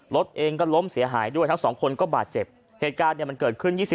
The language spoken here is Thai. รถเองก็ล้มเสียหายด้วยทั้งสองคนก็บาดเจ็บเหตุการณ์เนี่ยมันเกิดขึ้น